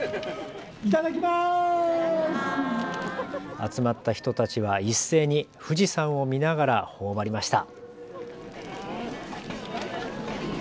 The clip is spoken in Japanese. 集まった人たちは一斉に富士山を見ながらほおばりました。